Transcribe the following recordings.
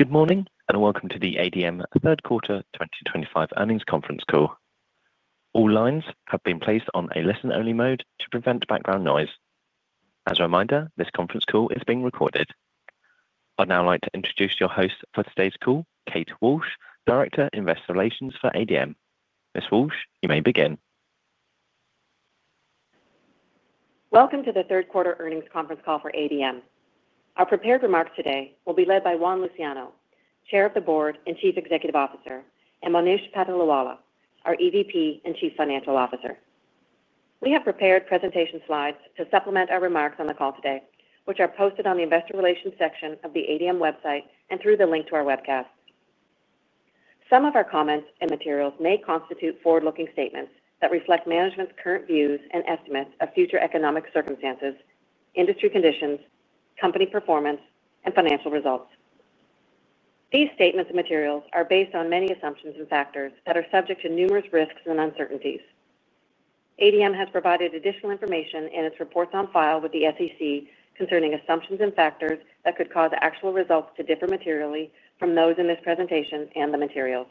Good morning and welcome to the ADM third quarter 2025 earnings conference call. All lines have been placed on a listen-only mode to prevent background noise. As a reminder, this conference call is being recorded. I'd now like to introduce your host for today's call, Kate Walsh, Director of Investor Relations for ADM. Ms. Walsh, you may begin. Welcome to the third quarter earnings conference call for ADM. Our prepared remarks today will be led by Juan Luciano, Chair of the Board and Chief Executive Officer, and Monish Patolawala, our EVP and Chief Financial Officer. We have prepared presentation slides to supplement our remarks on the call today, which are posted on the Investor Relations section of the ADM website and through the link to our webcast. Some of our comments and materials may constitute forward-looking statements that reflect management's current views and estimates of future economic circumstances, industry conditions, company performance, and financial results. These statements and materials are based on many assumptions and factors that are subject to numerous risks and uncertainties. ADM has provided additional information in its reports on file with the SEC concerning assumptions and factors that could cause actual results to differ materially from those in this presentation and the materials.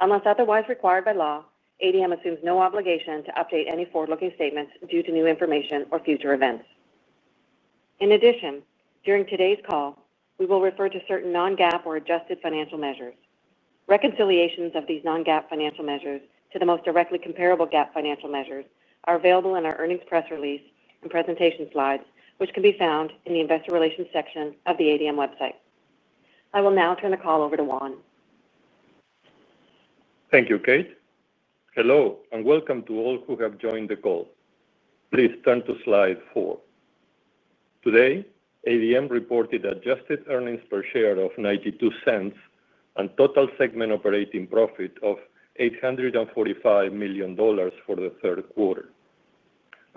Unless otherwise required by law, ADM assumes no obligation to update any forward-looking statements due to new information or future events. In addition, during today's call, we will refer to certain non-GAAP or adjusted financial measures. Reconciliations of these non-GAAP financial measures to the most directly comparable GAAP financial measures are available in our earnings press release and presentation slides, which can be found in the Investor Relations section of the ADM website. I will now turn the call over to Juan. Thank you, Kate. Hello and welcome to all who have joined the call. Please turn to slide four. Today, ADM reported adjusted earnings per share of $0.92 and total segment operating profit of $845 million for the third quarter.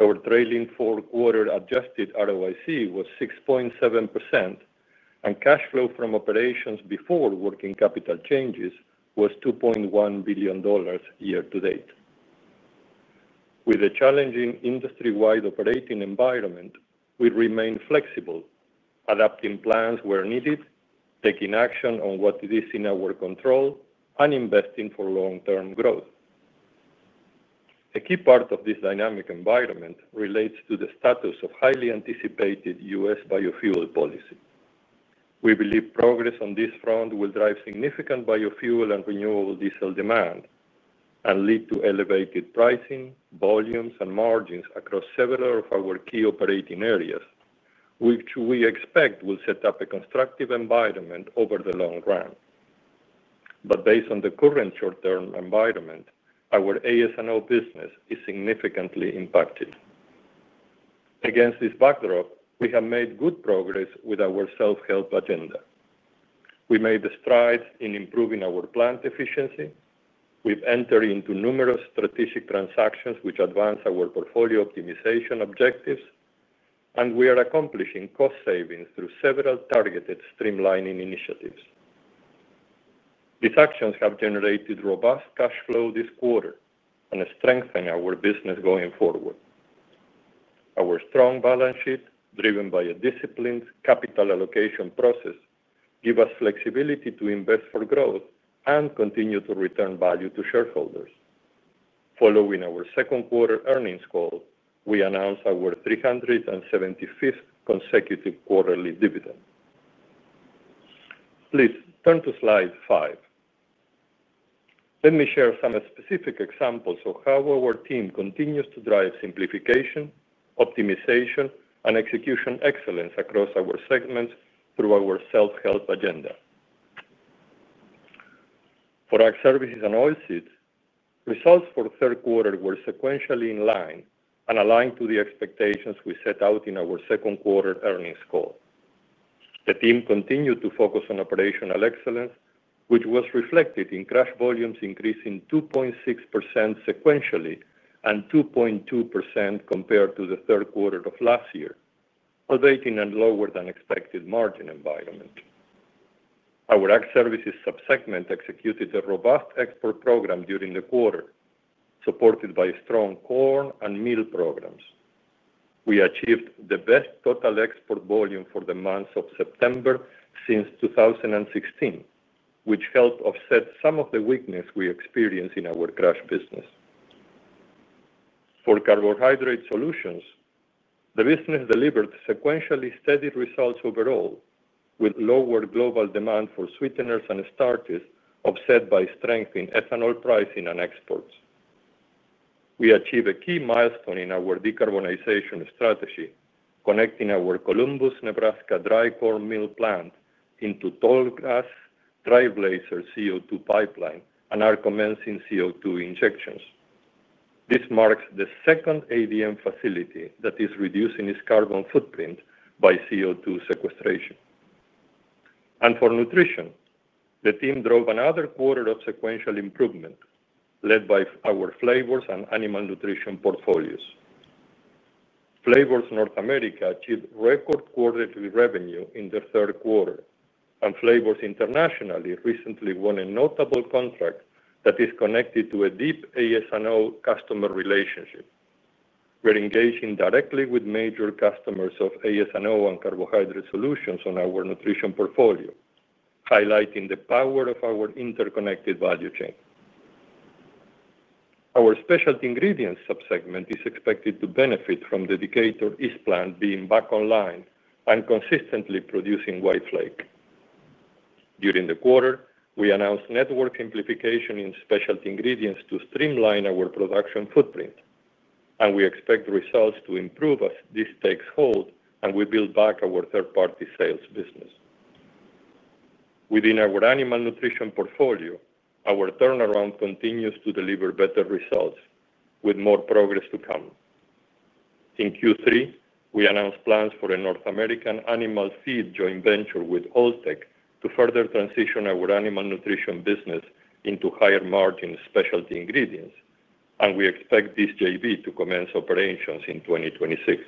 Our trailing four-quarter adjusted ROIC was 6.7%. And cash flow from operations before working capital changes was $2.1 billion year to date. With a challenging industry-wide operating environment, we remain flexible, adapting plans where needed, taking action on what it is in our control, and investing for long-term growth. A key part of this dynamic environment relates to the status of highly anticipated U.S. biofuel policy. We believe progress on this front will drive significant biofuel and renewable diesel demand and lead to elevated pricing, volumes, and margins across several of our key operating areas, which we expect will set up a constructive environment over the long run. But based on the current short-term environment, our AS&O business is significantly impacted. Against this backdrop, we have made good progress with our self-help agenda. We made strides in improving our plant efficiency. We've entered into numerous strategic transactions which advance our portfolio optimization objectives, and we are accomplishing cost savings through several targeted streamlining initiatives. These actions have generated robust cash flow this quarter and strengthened our business going forward. Our strong balance sheet, driven by a disciplined capital allocation process, gives us flexibility to invest for growth and continue to return value to shareholders. Following our second quarter earnings call, we announced our 375th consecutive quarterly dividend. Please turn to slide five. Let me share some specific examples of how our team continues to drive simplification, optimization, and execution excellence across our segments through our self-help agenda. For our Services & Oilseeds, results for third quarter were sequentially in line and aligned to the expectations we set out in our second quarter earnings call. The team continued to focus on operational excellence, which was reflected in cash volumes increasing 2.6% sequentially and 2.2% compared to the third quarter of last year, elevating a lower-than-expected margin environment. Ag Services subsegment executed a robust export program during the quarter, supported by strong corn and meal programs. We achieved the best total export volume for the month of September since 2016, which helped offset some of the weakness we experienced in our cash business. For Carbohydrate Solutions, the business delivered sequentially steady results overall, with lower global demand for sweeteners and starches offset by strength in ethanol pricing and exports. We achieved a key milestone in our decarbonization strategy, connecting our Columbus, Nebraska dry corn mill plant into toll gas dry blazer CO2 pipeline and our commencing CO2 injections. This marks the second ADM facility that is reducing its carbon footprint by CO2 sequestration. And for Nutrition, the team drove another quarter of sequential improvement, led by our flavors and Animal Nutrition portfolios. Flavors North America achieved record quarterly revenue in the third quarter, and Flavors Internationally recently won a notable contract that is connected to a deep AS&O customer relationship. We're engaging directly with major customers of AS&O and Carbohydrate Solutions on our Nutrition portfolio, highlighting the power of our interconnected value chain. Our specialty ingredients subsegment is expected to benefit from the Decatur East Plant being back online and consistently producing white flake. During the quarter, we announced network amplification in specialty ingredients to streamline our production footprint, and we expect results to improve as this takes hold and we build back our third-party sales business. Within our Animal Nutrition portfolio, our turnaround continues to deliver better results, with more progress to come. In Q3, we announced plans for a North American animal feed joint venture with Alltech to further transition our Animal Nutrition business into higher margin specialty ingredients, and we expect this JV to commence operations in 2026.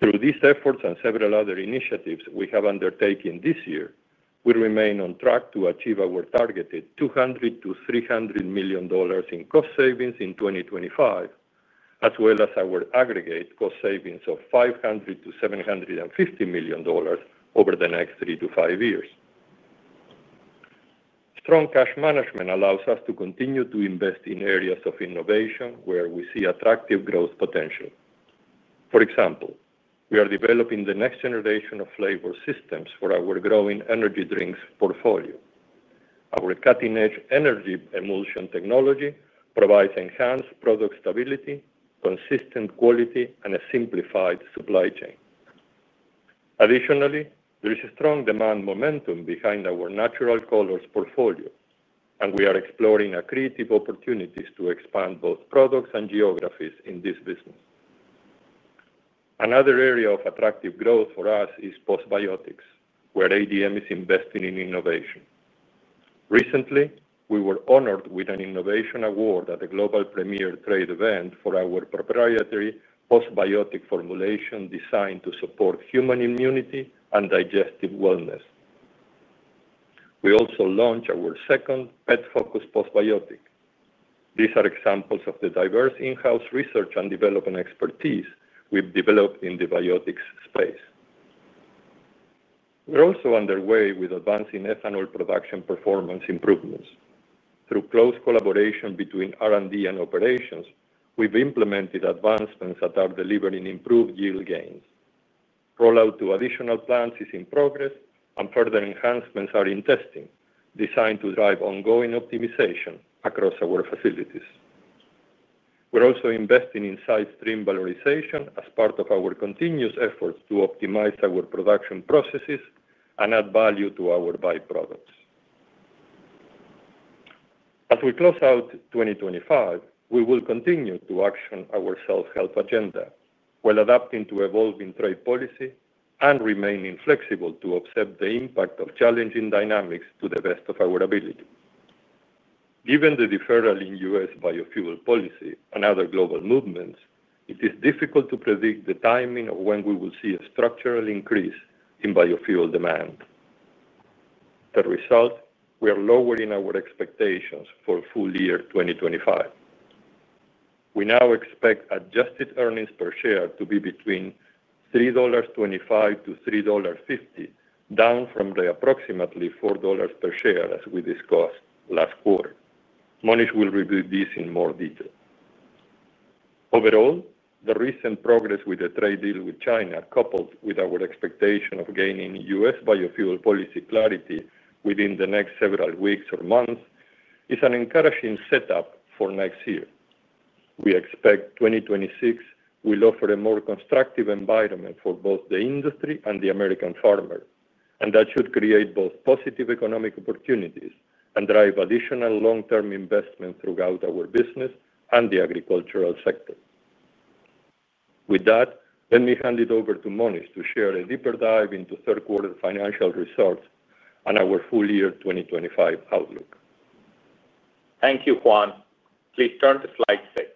Through these efforts and several other initiatives we have undertaken this year, we remain on track to achieve our targeted $200 million-$300 million in cost savings in 2025, as well as our aggregate cost savings of $500 million-$750 million over the next three to five years. Strong cash management allows us to continue to invest in areas of innovation where we see attractive growth potential. For example, we are developing the next generation of flavor systems for our growing energy drinks portfolio. Our cutting-edge energy emulsion technology provides enhanced product stability, consistent quality, and a simplified supply chain. Additionally, there is a strong demand momentum behind our natural colors portfolio, and we are exploring creative opportunities to expand both products and geographies in this business. Another area of attractive growth for us is postbiotics, where ADM is investing in innovation. Recently, we were honored with an innovation award at the Global Premier Trade Event for our proprietary postbiotic formulation designed to support human immunity and digestive wellness. We also launched our second pet-focused postbiotic. These are examples of the diverse in-house research and development expertise we've developed in the biotics space. We're also underway with advancing ethanol production performance improvements. Through close collaboration between R&D and operations, we've implemented advancements that are delivering improved yield gains. Rollout to additional plants is in progress, and further enhancements are in testing, designed to drive ongoing optimization across our facilities. We're also investing in side stream valorization as part of our continuous efforts to optimize our production processes and add value to our byproducts. As we close out 2025, we will continue to action our self-help agenda while adapting to evolving trade policy and remaining flexible to offset the impact of challenging dynamics to the best of our ability. Given the deferral in U.S. biofuel policy and other global movements, it is difficult to predict the timing of when we will see a structural increase in biofuel demand. As a result, we are lowering our expectations for full year 2025. We now expect adjusted earnings per share to be between $3.25-$3.50, down from the approximately $4 per share as we discussed last quarter. Monish will review this in more detail. Overall, the recent progress with the trade deal with China, coupled with our expectation of gaining U.S. biofuel policy clarity within the next several weeks or months, is an encouraging setup for next year. We expect 2026 will offer a more constructive environment for both the industry and the American farmer, and that should create both positive economic opportunities and drive additional long-term investment throughout our business and the agricultural sector. With that, let me hand it over to Monish to share a deeper dive into third quarter financial results and our full year 2025 outlook. Thank you, Juan. Please turn to slide six.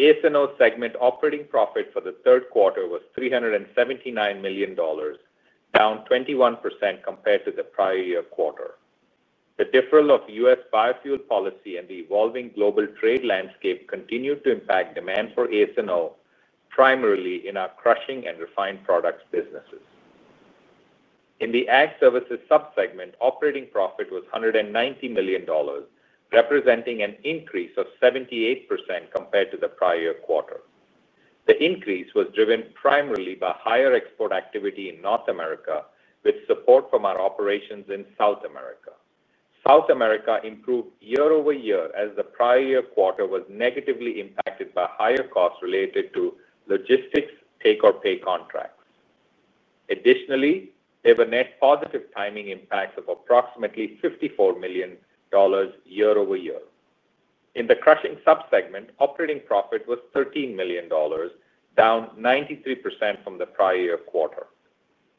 AS&O segment operating profit for the third quarter was $379 million, down 21% compared to the prior year quarter. The deferral of U.S. biofuel policy and the evolving global trade landscape continued to impact demand for AS&O, primarily in our crushing and refined products businesses. In Ag Services subsegment, operating profit was $190 million, representing an increase of 78% compared to the prior year quarter. The increase was driven primarily by higher export activity in North America, with support from our operations in South America. South America improved year-over-year as the prior year quarter was negatively impacted by higher costs related to logistics, take-or-pay contracts. Additionally, they have a net positive timing impact of approximately $54 million year-over-year. In the crushing subsegment, operating profit was $13 million, down 93% from the prior year quarter.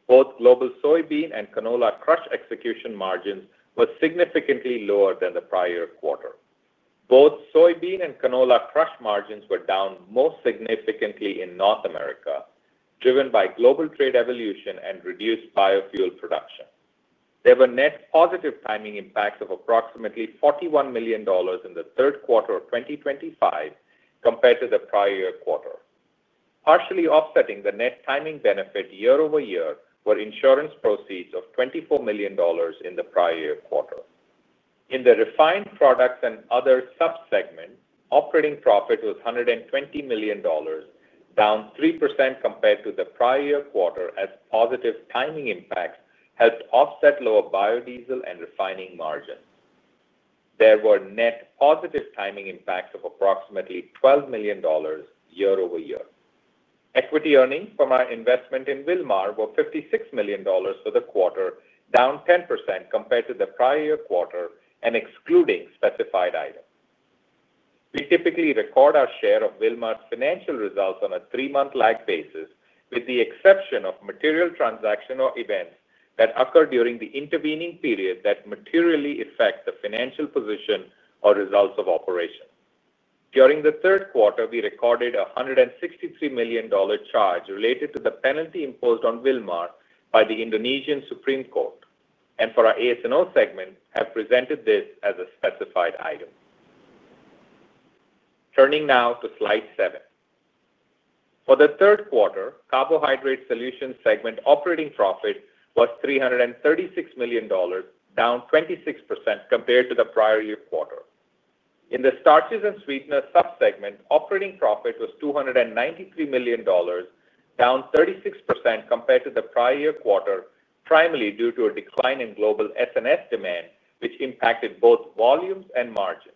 Both global soybean and canola crush execution margins were significantly lower than the prior year quarter. Both soybean and canola crush margins were down most significantly in North America, driven by global trade evolution and reduced biofuel production. There were net positive timing impacts of approximately $41 million in the third quarter of 2025 compared to the prior year quarter. Partially offsetting the net timing benefit year-over-year were insurance proceeds of $24 million in the prior year quarter. In the refined products and other subsegment, operating profit was $120 million, down 3% compared to the prior year quarter, as positive timing impacts helped offset lower biodiesel and refining margins. There were net positive timing impacts of approximately $12 million year-over-year. Equity earnings from our investment in Wilmar were $56 million for the quarter, down 10% compared to the prior year quarter, and excluding specified items. We typically record our share of Wilmar's financial results on a three-month lag basis, with the exception of material transactional events that occur during the intervening period that materially affect the financial position or results of operations. During the third quarter, we recorded a $163 million charge related to the penalty imposed on Wilmar by the Indonesian Supreme Court, and for our AS&O segment, have presented this as a specified item. Turning now to slide seven. For the third quarter, Carbohydrate Solutions segment operating profit was $336 million, down 26% compared to the prior year quarter. In the Starches and Sweeteners subsegment, operating profit was $293 million, down 36% compared to the prior year quarter, primarily due to a decline in global S&S demand, which impacted both volumes and margins.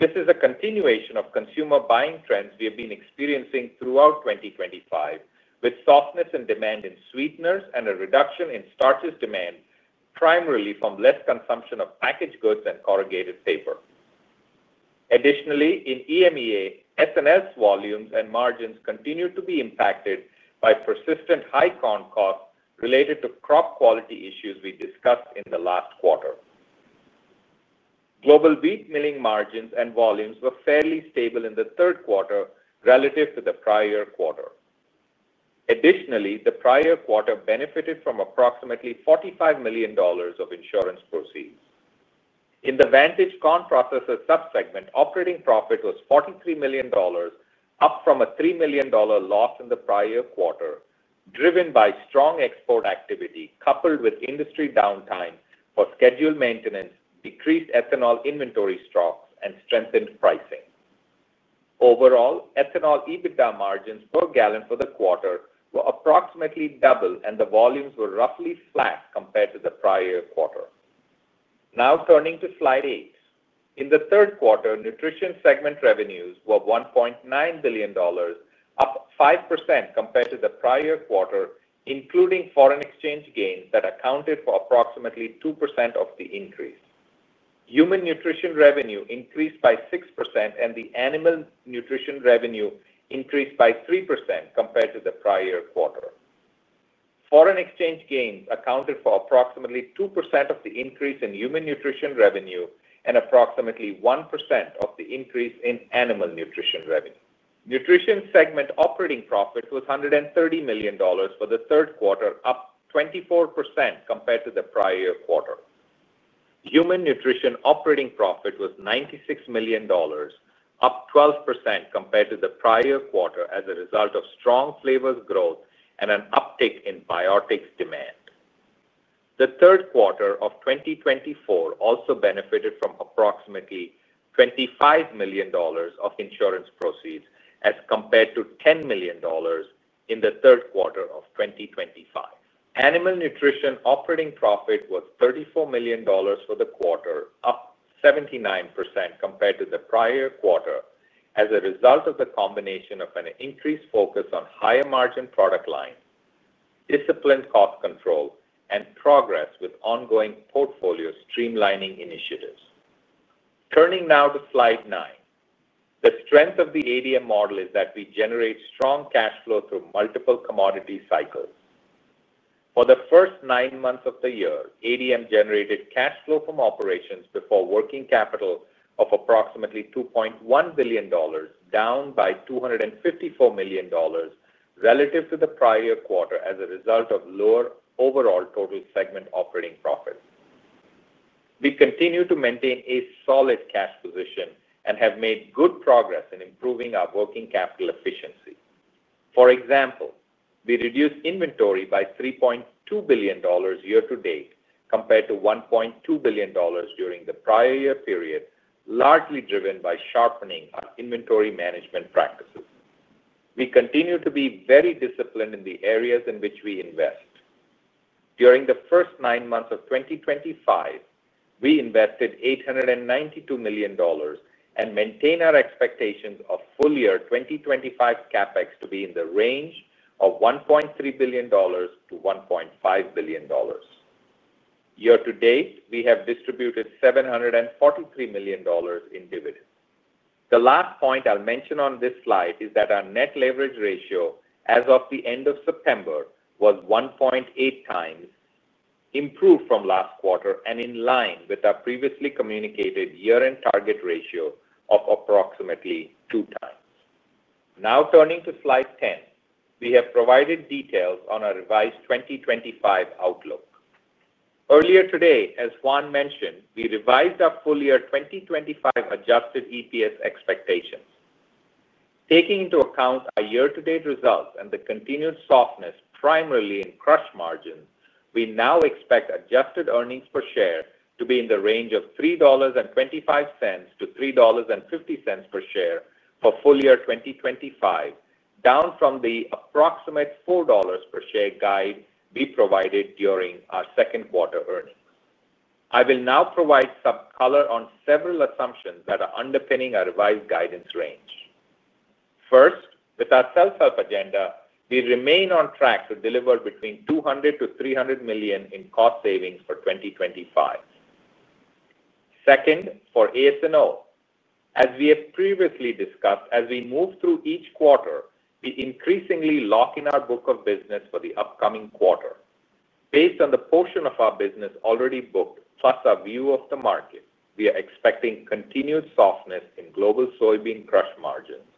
This is a continuation of consumer buying trends we have been experiencing throughout 2025, with softness in demand in sweeteners and a reduction in starches demand, primarily from less consumption of packaged goods and corrugated paper. Additionally, in EMEA, S&S volumes and margins continue to be impacted by persistent high corn costs related to crop quality issues we discussed in the last quarter. Global wheat milling margins and volumes were fairly stable in the third quarter relative to the prior quarter. Additionally, the prior quarter benefited from approximately $45 million of insurance proceeds. In the Corn Processing subsegment, operating profit was $43 million, up from a $3 million loss in the prior quarter, driven by strong export activity coupled with industry downtime for scheduled maintenance, decreased ethanol inventory stocks, and strengthened pricing. Overall, ethanol EBITDA margins per gallon for the quarter were approximately double, and the volumes were roughly flat compared to the prior year quarter. Now turning to slide eight. In the third quarter, Nutrition segment revenues were $1.9 billion, up 5% compared to the prior year quarter, including foreign exchange gains that accounted for approximately 2% of the increase. Human Nutrition revenue increased by 6%, and the Animal Nutrition revenue increased by 3% compared to the prior year quarter. Foreign exchange gains accounted for approximately 2% of the increase in Human Nutrition revenue and approximately 1% of the increase in Animal Nutrition revenue. Nutrition segment operating profit was $130 million for the third quarter, up 24% compared to the prior year quarter. Human Nutrition operating profit was $96 million, up 12% compared to the prior year quarter as a result of strong flavors growth and an uptick in biotics demand. The third quarter of 2024 also benefited from approximately $25 million of insurance proceeds as compared to $10 million in the third quarter of 2025. Animal Nutrition operating profit was $34 million for the quarter, up 79% compared to the prior year quarter as a result of the combination of an increased focus on higher margin product lines, disciplined cost control, and progress with ongoing portfolio streamlining initiatives. Turning now to slide nine. The strength of the ADM model is that we generate strong cash flow through multiple commodity cycles. For the first nine months of the year, ADM generated cash flow from operations before working capital of approximately $2.1 billion, down by $254 million relative to the prior year quarter as a result of lower overall total segment operating profit. We continue to maintain a solid cash position and have made good progress in improving our working capital efficiency. For example, we reduced inventory by $3.2 billion year to date compared to $1.2 billion during the prior year period, largely driven by sharpening our inventory management practices. We continue to be very disciplined in the areas in which we invest. During the first nine months of 2025, we invested $892 million and maintain our expectations of full year 2025 CapEx to be in the range of $1.3 billion-$1.5 billion. Year to date, we have distributed $743 million in dividends. The last point I'll mention on this slide is that our net leverage ratio as of the end of September was 1.8x improved from last quarter and in line with our previously communicated year-end target ratio of approximately two times. Now turning to slide 10, we have provided details on our revised 2025 outlook. Earlier today, as Juan mentioned, we revised our full year 2025 adjusted EPS expectations. Taking into account our year-to-date results and the continued softness primarily in crush margins, we now expect adjusted earnings per share to be in the range of $3.25-$3.50 per share for full year 2025, down from the approximate $4 per share guide we provided during our second quarter earnings. I will now provide some color on several assumptions that are underpinning our revised guidance range. First, with our self-help agenda, we remain on track to deliver between $200 million-$300 million in cost savings for 2025. Second, for AS&O, as we have previously discussed, as we move through each quarter, we increasingly lock in our book of business for the upcoming quarter. Based on the portion of our business already booked, plus our view of the market, we are expecting continued softness in global soybean crush margins,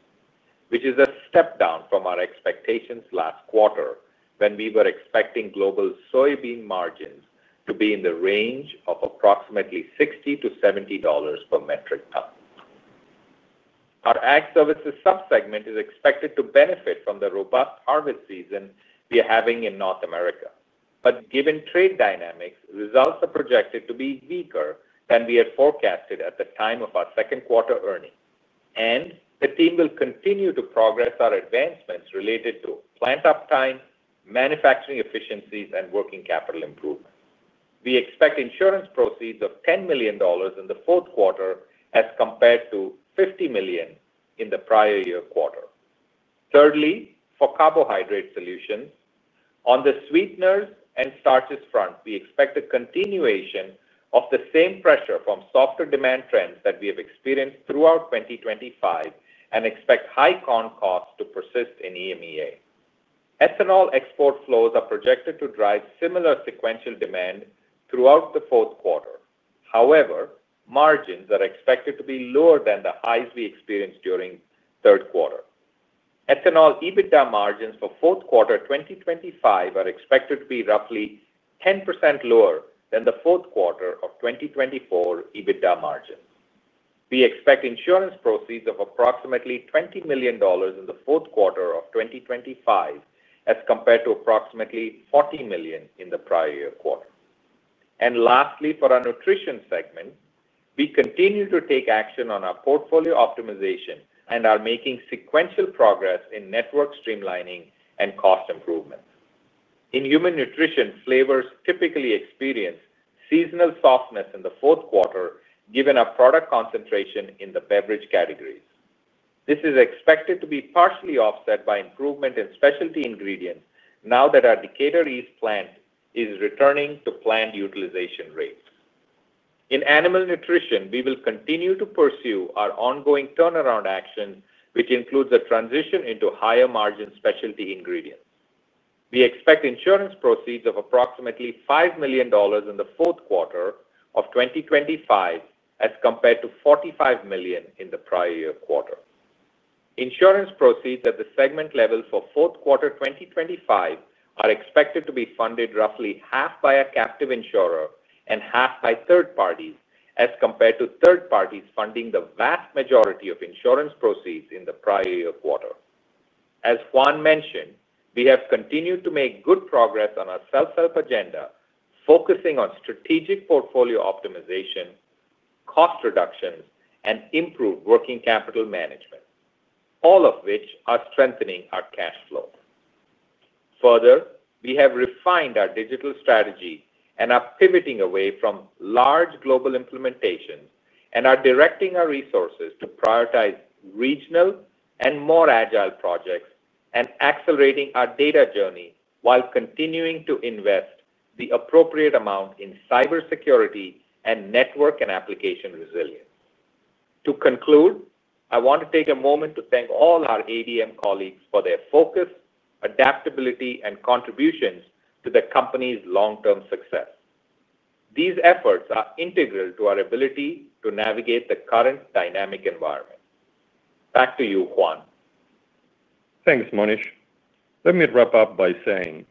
which is a step down from our expectations last quarter when we were expecting global soybean margins to be in the range of approximately $60-$70 per metric ton. Ag Services subsegment is expected to benefit from the robust harvest season we are having in North America. But given trade dynamics, results are projected to be weaker than we had forecasted at the time of our second quarter earnings. And the team will continue to progress our advancements related to plant uptime, manufacturing efficiencies, and working capital improvements. We expect insurance proceeds of $10 million in the fourth quarter as compared to $50 million in the prior year quarter. Thirdly, for Carbohydrate Solutions, on the Sweeteners and Starches front, we expect a continuation of the same pressure from softer demand trends that we have experienced throughout 2025 and expect high corn costs to persist in EMEA. Ethanol export flows are projected to drive similar sequential demand throughout the fourth quarter. However, margins are expected to be lower than the highs we experienced during the third quarter. Ethanol EBITDA margins for fourth quarter 2025 are expected to be roughly 10% lower than the fourth quarter of 2024 EBITDA margins. We expect insurance proceeds of approximately $20 million in the fourth quarter of 2025 as compared to approximately $40 million in the prior year quarter. And lastly, for our Nutrition segment, we continue to take action on our portfolio optimization and are making sequential progress in network streamlining and cost improvements. In Human Nutrition, flavors typically experience seasonal softness in the fourth quarter, given our product concentration in the beverage categories. This is expected to be partially offset by improvement in specialty ingredients now that our Decatur East Plant is returning to plant utilization rates. In Animal Nutrition, we will continue to pursue our ongoing turnaround action, which includes a transition into higher margin specialty ingredients. We expect insurance proceeds of approximately $5 million in the fourth quarter of 2025 as compared to $45 million in the prior year quarter. Insurance proceeds at the segment level for fourth quarter 2025 are expected to be funded roughly half by a captive insurer and half by third parties as compared to third parties funding the vast majority of insurance proceeds in the prior year quarter. As Juan mentioned, we have continued to make good progress on our self-help agenda, focusing on strategic portfolio optimization, cost reductions, and improved working capital management. All of which are strengthening our cash flow. Further, we have refined our digital strategy and are pivoting away from large global implementations and are directing our resources to prioritize regional and more agile projects and accelerating our data journey while continuing to invest the appropriate amount in cybersecurity and network and application resilience. To conclude, I want to take a moment to thank all our ADM colleagues for their focus, adaptability, and contributions to the company's long-term success. These efforts are integral to our ability to navigate the current dynamic environment. Back to you, Juan. Thanks, Monish. Let me wrap up by saying,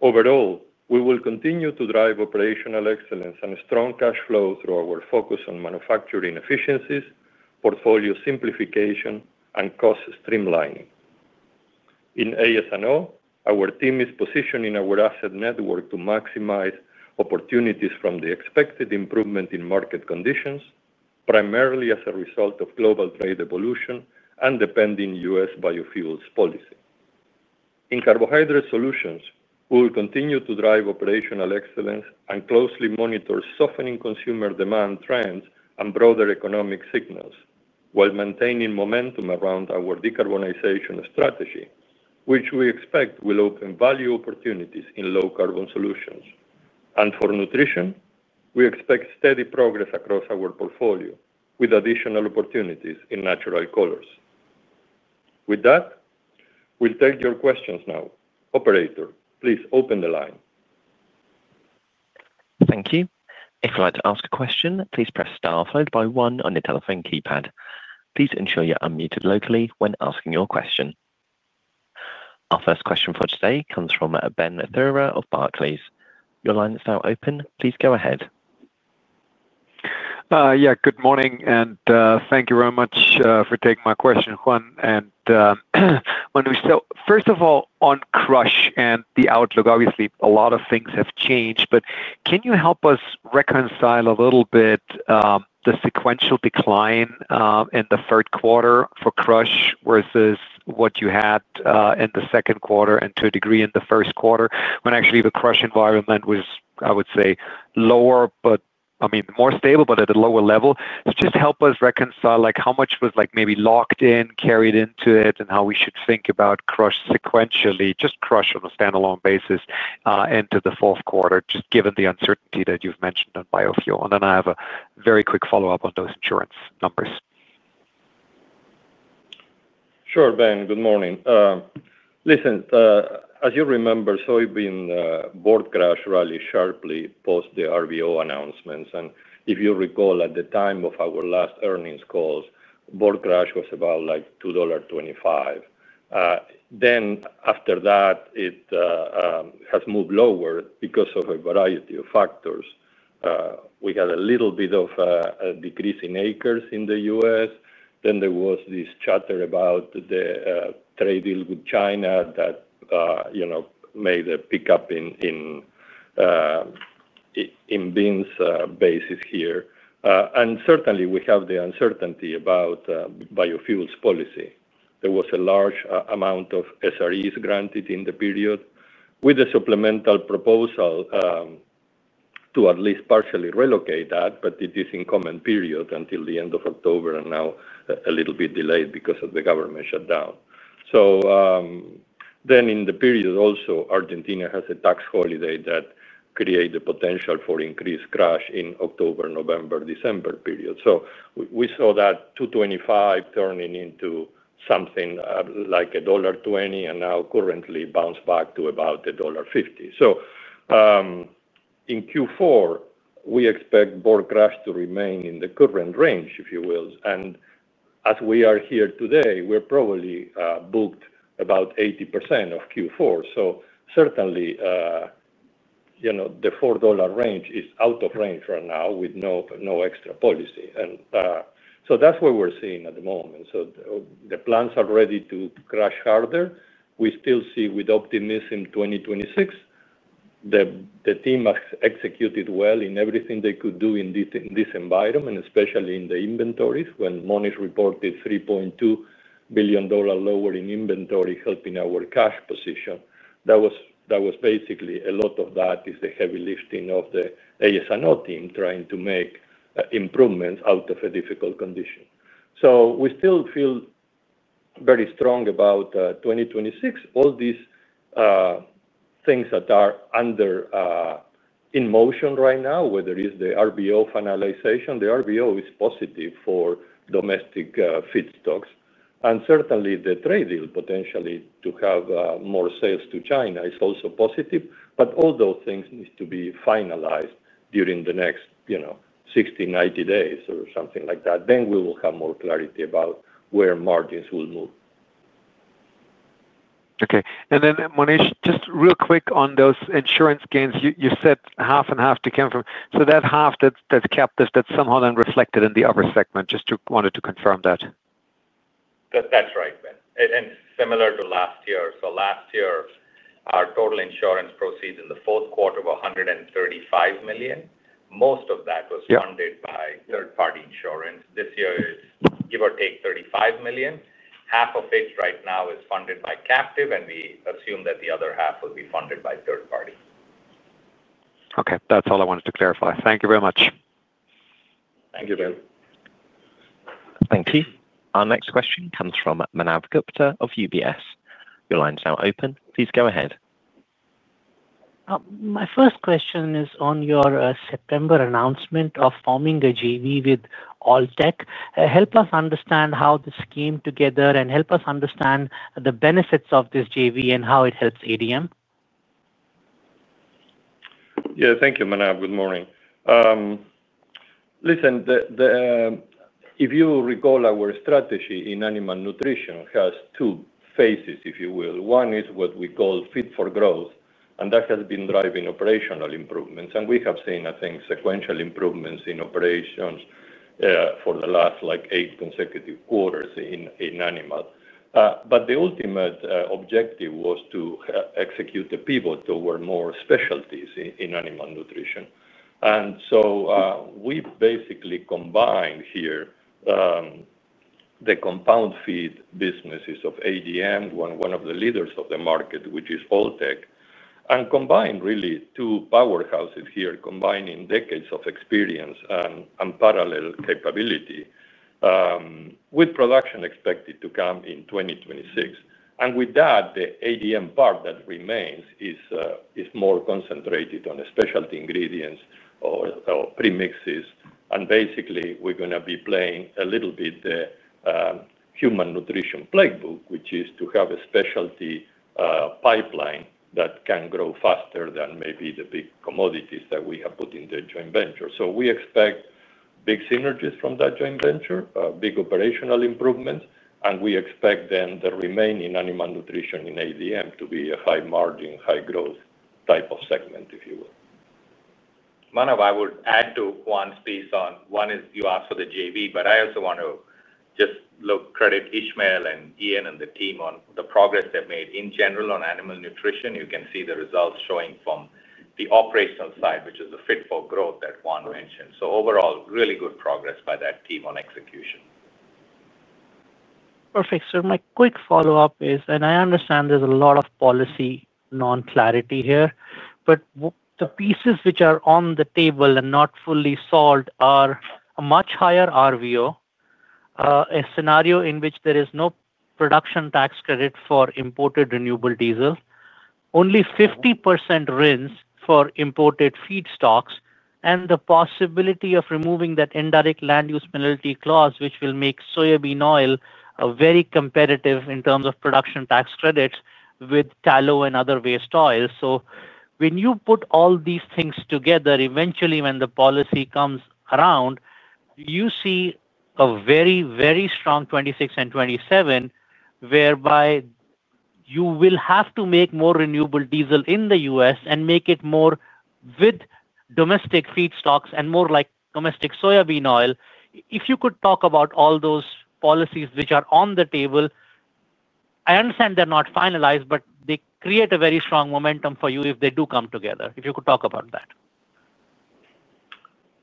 overall, we will continue to drive operational excellence and strong cash flow through our focus on manufacturing efficiencies, portfolio simplification, and cost streamlining. In AS&O, our team is positioning our asset network to maximize opportunities from the expected improvement in market conditions, primarily as a result of global trade evolution and the pending U.S. biofuels policy. In Carbohydrate Solutions, we will continue to drive operational excellence and closely monitor softening consumer demand trends and broader economic signals while maintaining momentum around our decarbonization strategy, which we expect will open value opportunities in low-carbon solutions. And for Nutrition, we expect steady progress across our portfolio with additional opportunities in natural colors. With that, we'll take your questions now. Operator, please open the line. Thank you. If you'd like to ask a question, please press star followed by one on your telephone keypad. Please ensure you're unmuted locally when asking your question. Our first question for today comes from Ben Theurer of Barclays. Your line is now open. Please go ahead. Yeah, good morning, and thank you very much for taking my question, Juan. And. Monish, so first of all, on crush and the outlook, obviously, a lot of things have changed. But can you help us reconcile a little bit. The sequential decline in the third quarter for crush versus what you had in the second quarter and to a degree in the first quarter when actually the crush environment was, I would say, lower, but I mean, more stable, but at a lower level? Just help us reconcile how much was maybe locked in, carried into it, and how we should think about crush sequentially, just crush on a standalone basis into the fourth quarter, just given the uncertainty that you've mentioned on biofuel. And then I have a very quick follow-up on those insurance numbers. Sure, Ben, good morning. Listen, as you remember, soybean crush rallied sharply post the RVO announcements. And if you recall, at the time of our last earnings calls, crush was about $2.25. Then after that, it has moved lower because of a variety of factors. We had a little bit of a decrease in acres in the U.S. Then there was this chatter about the trade deal with China that made a pickup in beans basis here. And certainly, we have the uncertainty about biofuels policy. There was a large amount of SREs granted in the period with a supplemental proposal to at least partially relocate that, but it is in comment period until the end of October and now a little bit delayed because of the government shutdown. So then in the period, also, Argentina has a tax holiday that created potential for increased crush in October, November, December period. So we saw that $2.25 turning into something like $1.20 and now currently bounced back to about $1.50. So in Q4, we expect crush to remain in the current range, if you will. And as we are here today, we're probably booked about 80% of Q4. So certainly the $4 range is out of range right now with no extra policy. And so that's what we're seeing at the moment. So the plans are ready to crush harder. We still see with optimism 2026. The team has executed well in everything they could do in this environment, especially in the inventories when Monish reported $3.2 billion lower in inventory helping our cash position. That was basically a lot of that is the heavy lifting of the AS&O team trying to make improvements out of a difficult condition. So we still feel very strong about 2026. All these things that are in motion right now, whether it's the RVO finalization, the RVO is positive for domestic feedstocks. And certainly, the trade deal potentially to have more sales to China is also positive. But all those things need to be finalized during the next 60, 90 days or something like that. Then we will have more clarity about where margins will move. Okay. And then, Monish, just real quick on those insurance gains. You said half and half to come from. So that half that's captive, that's somehow then reflected in the other segment. Just wanted to confirm that. That's right, Ben. And similar to last year. So last year, our total insurance proceeds in the fourth quarter were $135 million. Most of that was funded by third-party insurance. This year is give or take $35 million. Half of it right now is funded by captive, and we assume that the other half will be funded by third parties. Okay. That's all I wanted to clarify. Thank you very much. Thank you, Ben. Thank you. Our next question comes from Manav Gupta of UBS. Your line is now open. Please go ahead. My first question is on your September announcement of forming a JV with Alltech. Help us understand how this came together and help us understand the benefits of this JV and how it helps ADM. Yeah, thank you, Manav. Good morning. Listen. If you recall, our strategy in Animal Nutrition has two phases, if you will. One is what we call fit for growth, and that has been driving operational improvements. And we have seen, I think, sequential improvements in operations. For the last eight consecutive quarters in animal. But the ultimate objective was to execute the pivot toward more specialties in Animal Nutrition. And so we basically combined here the compound feed businesses of ADM, one of the leaders of the market, which is Alltech, and combined really two powerhouses here, combining decades of experience and parallel capability. With production expected to come in 2026. And with that, the ADM part that remains is more concentrated on specialty ingredients or premixes. And basically, we're going to be playing a little bit the Human Nutrition playbook, which is to have a specialty pipeline that can grow faster than maybe the big commodities that we have put in the joint venture. So we expect big synergies from that joint venture, big operational improvements, and we expect then the remaining Animal Nutrition in ADM to be a high-margin, high-growth type of segment, if you will. Manav, I would add to Juan's piece. One is you asked for the JV, but I also want to just credit Ismael and Ian and the team on the progress they've made in general on Animal Nutrition. You can see the results showing from the operational side, which is the fit for growth that Juan mentioned. So overall, really good progress by that team on execution. Perfect. So my quick follow-up is, and I understand there's a lot of policy non-clarity here, but the pieces which are on the table and not fully solved are a much higher RVO, a scenario in which there is no production tax credit for imported renewable diesel, only 50% RINs for imported feedstocks, and the possibility of removing that indirect land use penalty clause, which will make soybean oil very competitive in terms of production tax credits with tallow and other waste oils. So when you put all these things together, eventually, when the policy comes around, you see a very, very strong 2026 and 2027, whereby you will have to make more renewable diesel in the U.S. and make it more with domestic feedstocks and more like domestic soybean oil. If you could talk about all those policies which are on the table. I understand they're not finalized, but they create a very strong momentum for you if they do come together. If you could talk about that.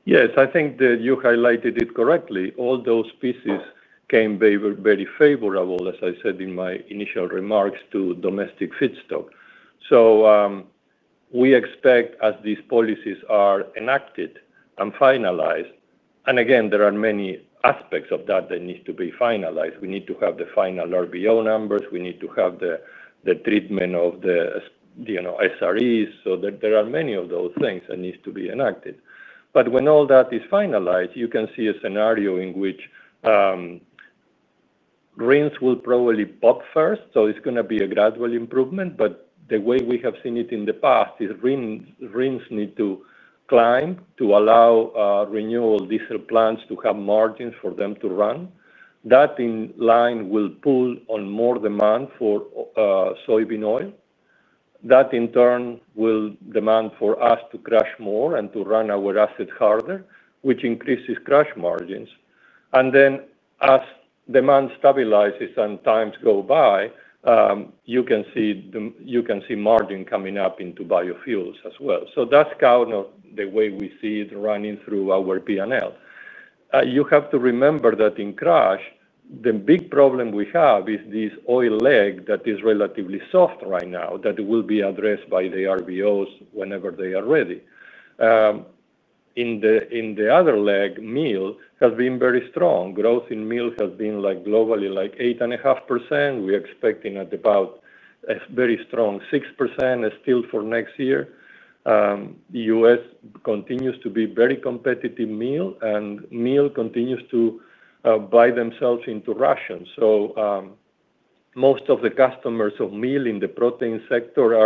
Yes. I think that you highlighted it correctly. All those pieces came very favorable, as I said in my initial remarks, to domestic feedstock. So we expect, as these policies are enacted and finalized, and again, there are many aspects of that that need to be finalized. We need to have the final RVO numbers. We need to have the treatment of the SREs. So there are many of those things that need to be enacted. But when all that is finalized, you can see a scenario in which RINs will probably pop first. So it's going to be a gradual improvement. But the way we have seen it in the past is RINs need to climb to allow renewable diesel plants to have margins for them to run. That in line will pull on more demand for soybean oil. That, in turn, will demand for us to crush more and to run our assets harder, which increases crush margins. And then, as demand stabilizes and times go by, you can see margin coming up into biofuels as well. So that's kind of the way we see it running through our P&L. You have to remember that in crush, the big problem we have is this oil leg that is relatively soft right now, that will be addressed by the RVOs whenever they are ready. In the other leg, meal has been very strong. Growth in meal has been globally like 8.5%. We're expecting at about a very strong 6% still for next year. The U.S. continues to be very competitive meal, and meal continues to buy themselves into ration. So most of the customers of meal in the protein sector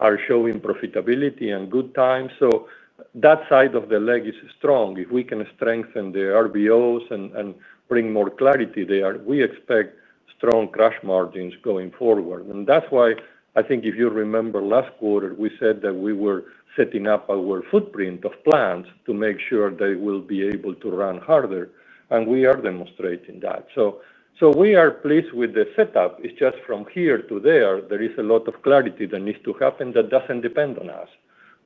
are showing profitability and good times. So that side of the leg is strong. If we can strengthen the RVOs and bring more clarity there, we expect strong crush margins going forward. And that's why I think if you remember last quarter, we said that we were setting up our footprint of plants to make sure they will be able to run harder. And we are demonstrating that. So we are pleased with the setup. It's just from here to there, there is a lot of clarity that needs to happen that doesn't depend on us.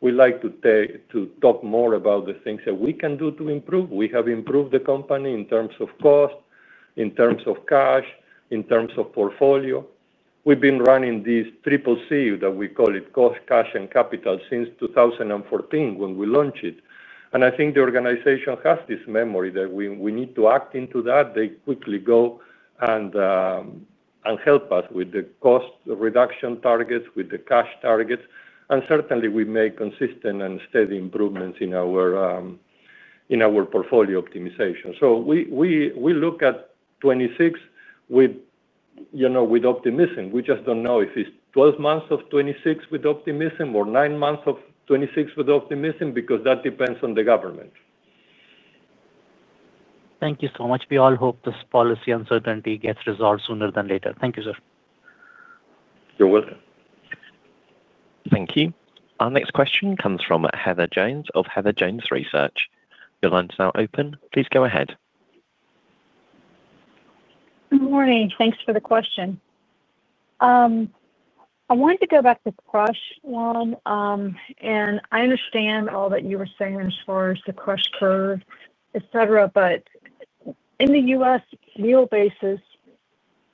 We like to talk more about the things that we can do to improve. We have improved the company in terms of cost, in terms of cash, in terms of portfolio. We've been running this triple C that we call it cost, cash, and capital since 2014 when we launched it. And I think the organization has this memory that we need to act into that. They quickly go and help us with the cost reduction targets, with the cash targets. And certainly, we make consistent and steady improvements in our portfolio optimization. So we look at 2026 with optimism. We just don't know if it's 12 months of 2026 with optimism or 9 months of 2026 with optimism because that depends on the government. Thank you so much. We all hope this policy uncertainty gets resolved sooner than later. Thank you, sir. You're welcome. Thank you. Our next question comes from Heather Jones of Heather Jones Research. Your line is now open. Please go ahead. Good morning. Thanks for the question. I wanted to go back to the crush one, and I understand all that you were saying as far as the crush curve, etc., but in the U.S., meal basis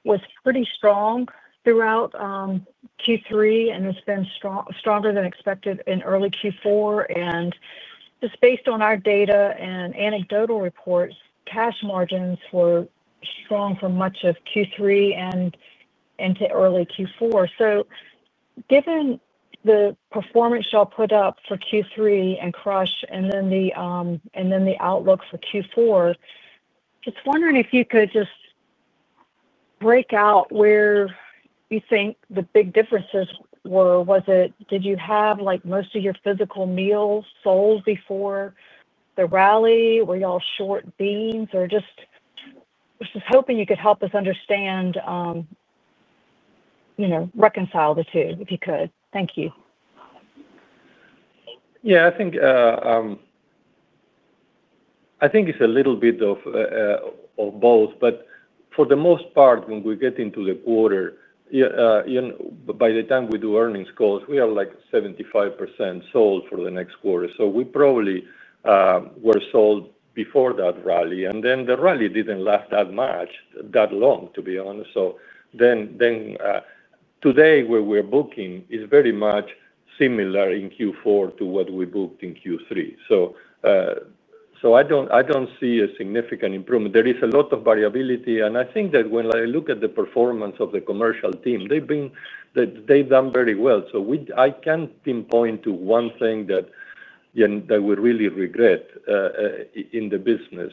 was pretty strong throughout Q3 and has been stronger than expected in early Q4, and just based on our data and anecdotal reports, cash margins were strong for much of Q3 and into early Q4. So given the performance y'all put up for Q3 and crush and then the outlook for Q4, just wondering if you could just break out where you think the big differences were. Did you have most of your physical meals sold before the rally? Were y'all short beans? I was just hoping you could help us understand, reconcile the two if you could. Thank you. Yeah, I think it's a little bit of both, but for the most part, when we get into the quarter, by the time we do earnings calls, we are like 75% sold for the next quarter. So we probably were sold before that rally, and then the rally didn't last that long, to be honest. So then today, where we're booking is very much similar in Q4 to what we booked in Q3, so I don't see a significant improvement. There is a lot of variability, and I think that when I look at the performance of the commercial team, they've done very well, so I can't pinpoint to one thing that we really regret in the business.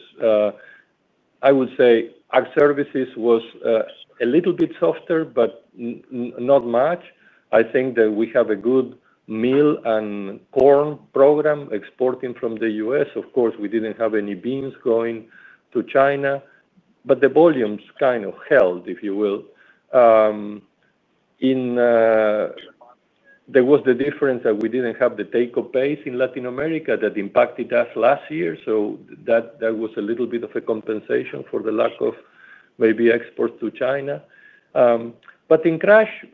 I would say our services was a little bit softer, but not much. I think that we have a good meal and corn program exporting from the U.S. Of course, we didn't have any beans going to China, but the volumes kind of held, if you will. There was the difference that we didn't have the takeoff base in Latin America that impacted us last year, so that was a little bit of a compensation for the lack of maybe exports to China. But in crush,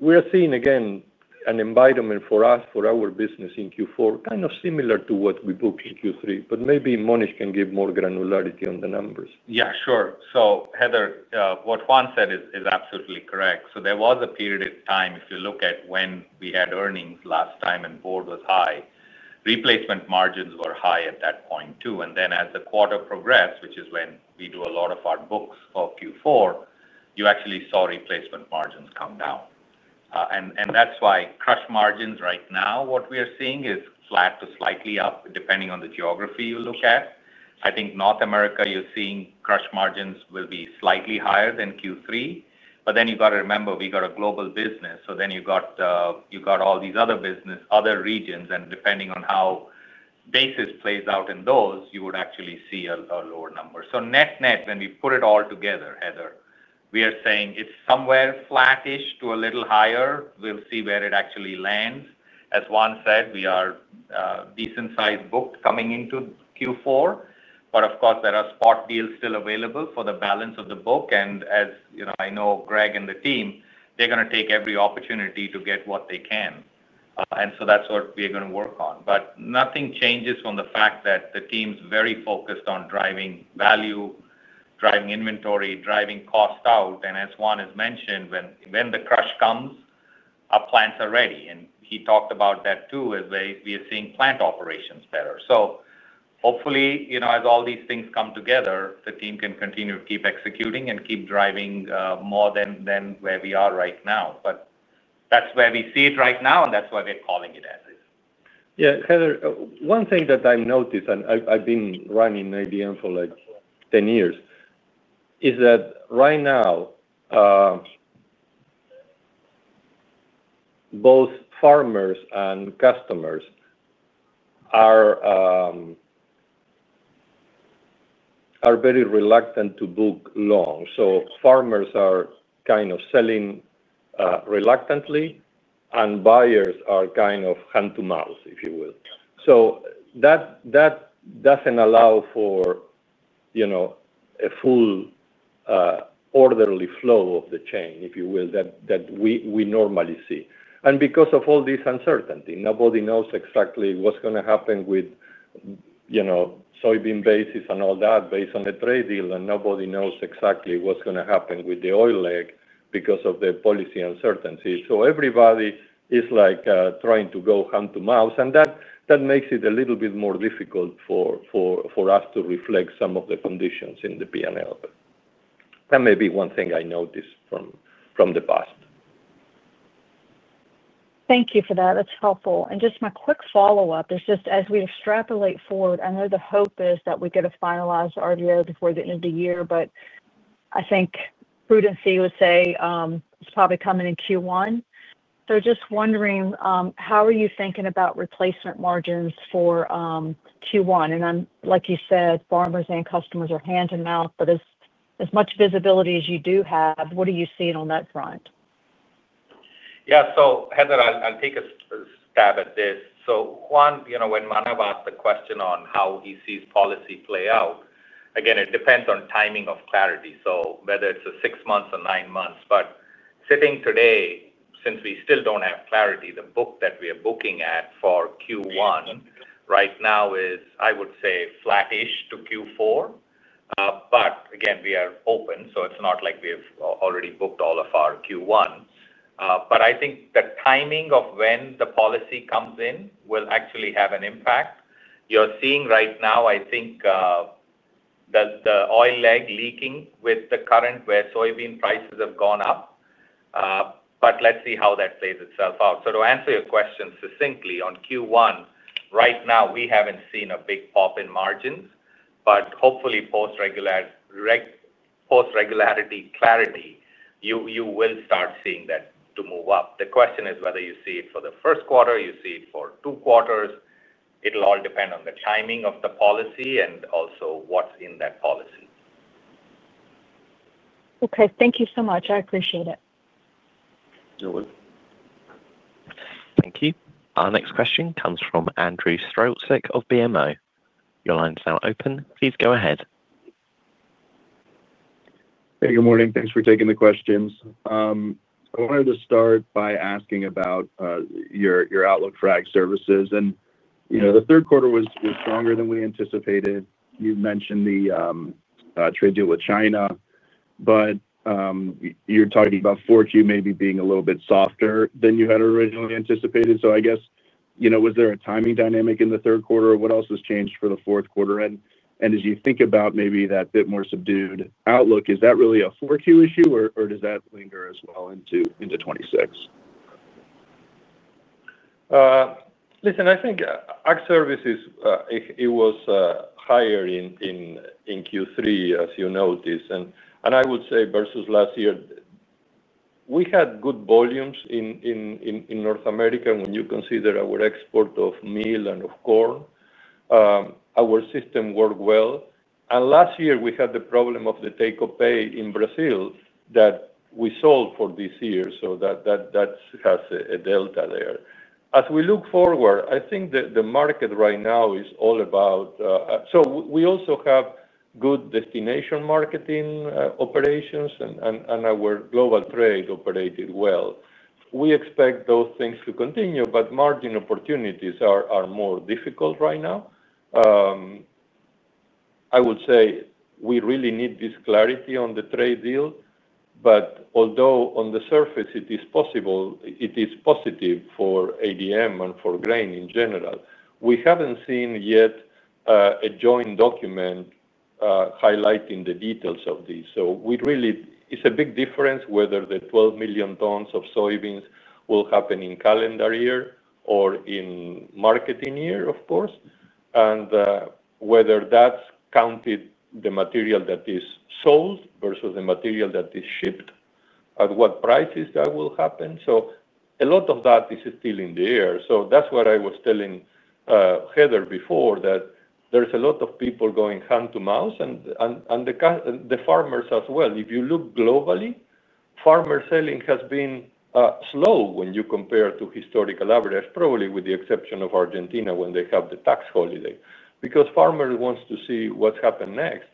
we're seeing, again, an environment for us, for our business in Q4, kind of similar to what we booked in Q3, but maybe Monish can give more granularity on the numbers. Yeah, sure. So Heather, what Juan said is absolutely correct, so there was a period of time, if you look at when we had earnings last time and board was high, replacement margins were high at that point too, and then as the quarter progressed, which is when we do a lot of our bookings for Q4, you actually saw replacement margins come down, and that's why crush margins right now, what we are seeing is flat to slightly up, depending on the geography you look at. I think North America, you're seeing crush margins will be slightly higher than Q3. But then you've got to remember, we've got a global business. So then you've got all these other businesses, other regions. And depending on how basis plays out in those, you would actually see a lower number. So net-net, when we put it all together, Heather, we are saying it's somewhere flattish to a little higher. We'll see where it actually lands. As Juan said, we are decent-sized book coming into Q4. But of course, there are spot deals still available for the balance of the book. And as I know, Greg and the team, they're going to take every opportunity to get what they can. And so that's what we're going to work on. But nothing changes from the fact that the team's very focused on driving value, driving inventory, driving cost out. And as Juan has mentioned, when the crush comes our plants are ready. And he talked about that too, as we are seeing plant operations better. So hopefully, as all these things come together, the team can continue to keep executing and keep driving more than where we are right now. But that's where we see it right now, and that's why we're calling it as is. Yeah. Heather, one thing that I noticed, and I've been running ADM for like 10 years, is that right now both farmers and customers are very reluctant to book long. So farmers are kind of selling reluctantly, and buyers are kind of hand-to-mouth, if you will. So that doesn't allow for a full orderly flow of the chain, if you will, that we normally see. And because of all this uncertainty, nobody knows exactly what's going to happen with soybean bases and all that based on the trade deal. And nobody knows exactly what's going to happen with the oil leg because of the policy uncertainty. So everybody is trying to go hand-to-mouth. And that makes it a little bit more difficult for us to reflect some of the conditions in the P&L. That may be one thing I noticed from the past. Thank you for that. That's helpful. And just my quick follow-up is just, as we extrapolate forward, I know the hope is that we get a finalized RVO before the end of the year, but I think prudence would say it's probably coming in Q1. So just wondering, how are you thinking about replacement margins for Q1? And like you said, farmers and customers are hand-to-mouth. But as much visibility as you do have, what are you seeing on that front? Yeah. So, Heather, I'll take a stab at this. So Juan, when Manav asked the question on how he sees policy play out, again, it depends on timing of clarity, so whether it's six months or nine months. But sitting today, since we still don't have clarity, the book that we are booking at for Q1 right now is, I would say, flattish to Q4. But again, we are open. So it's not like we've already booked all of our Q1s. But I think the timing of when the policy comes in will actually have an impact. You're seeing right now, I think. The oil leg leaking with the current where soybean prices have gone up. But let's see how that plays itself out. So to answer your question succinctly, on Q1, right now, we haven't seen a big pop in margins. But hopefully, post-regulatory clarity, you will start seeing that to move up. The question is whether you see it for the first quarter, you see it for two quarters. It'll all depend on the timing of the policy and also what's in that policy. Okay. Thank you so much. I appreciate it. You're welcome. Thank you. Our next question comes from Andrew Strelzik of BMO. Your line is now open. Please go ahead. Hey, good morning. Thanks for taking the questions. I wanted to start by asking about. Your outlook for Ag Services. And the third quarter was stronger than we anticipated. You mentioned the. Trade deal with China. But. You're talking about 4Q maybe being a little bit softer than you had originally anticipated. So I guess, was there a timing dynamic in the third quarter? What else has changed for the fourth quarter? And as you think about maybe that bit more subdued outlook, is that really a 4Q issue, or does that linger as well into 2026? Listen, I think Ag Services, it was. Higher in Q3, as you noticed. And I would say versus last year, we had good volumes in North America. When you consider our export of meal and of corn. Our system worked well. And last year, we had the problem of the takeoff pay in Brazil that we sold for this year. So that has a delta there. As we look forward, I think the market right now is all about. So we also have good destination marketing operations, and our global trade operated well. We expect those things to continue, but margin opportunities are more difficult right now. I would say we really need this clarity on the trade deal. But although on the surface, it is possible, it is positive for ADM and for grain in general, we haven't seen yet. A joint document. Highlighting the details of these. So it's a big difference whether the 12 million tons of soybeans will happen in calendar year or in marketing year, of course, and whether that's counted the material that is sold versus the material that is shipped, at what prices that will happen. So a lot of that is still in the air. So that's what I was telling. Heather before, that there's a lot of people going hand-to-mouth, and the farmers as well. If you look globally, farmer selling has been slow when you compare to historical average, probably with the exception of Argentina when they have the tax holiday, because farmers want to see what's happened next.